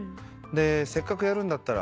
せっかくやるんだったら。